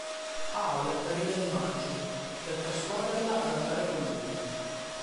Hal rivede Madge, per persuaderla ad andare con lui.